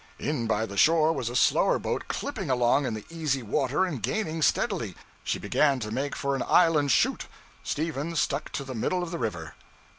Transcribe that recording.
In by the shore was a slower boat clipping along in the easy water and gaining steadily; she began to make for an island chute; Stephen stuck to the middle of the river.